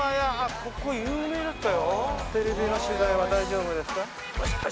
・ここ有名だったよ。